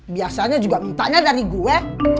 biasanya juga minta nya dari gue